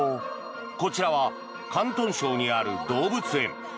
こちらは広東省にある動物園。